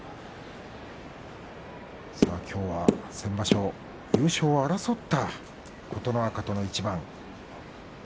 きょうは先場所優勝を争った琴ノ若との一番です。